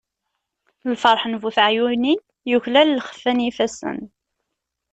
Lferḥ n bu teɛyunin, yuklal lxeffa n yifassen.